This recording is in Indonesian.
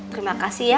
terima kasih ya